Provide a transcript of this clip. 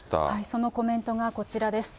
そのコメントがこちらです。